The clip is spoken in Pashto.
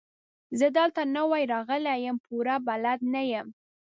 زه دلته نوی راغلی يم، پوره بلد نه يم.